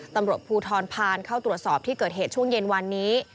ตำรวจภูทรพานเข้าตรวจสอบที่เกิดเหตุช่วงเย็นวันนี้